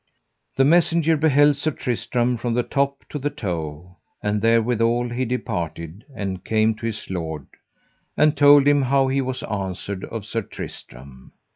The messenger beheld Sir Tristram from the top to the toe; and therewithal he departed and came to his lord, and told him how he was answered of Sir Tristram.